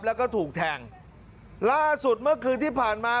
แล้วก็ถูกแทงล่าสุดเมื่อคืนที่ผ่านมา